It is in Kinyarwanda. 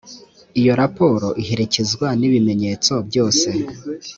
iyo raporo iherekezwa n ibimenyetso byose